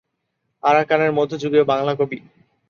আরাকানের মধ্যযুগীয় বাংলা কবি।